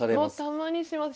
たまにします。